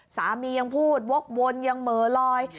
สามียังพูดวกวนยังเหม่อลอย